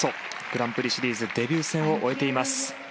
グランプリシリーズデビュー戦を終えています。